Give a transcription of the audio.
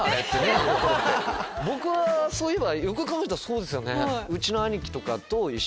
そういえばよくよく考えたらそうですよね。